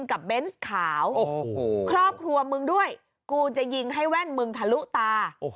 คหอบครัวมึงด้วยกูจะยิงให้แว่นมึงทะลุตา